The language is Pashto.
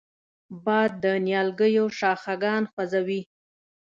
باد د نیالګیو شاخهګان خوځوي